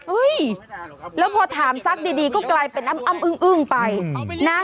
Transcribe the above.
แล้วพอถามซักดีก็กลายเป็นอ้ำอึ้งไปนะ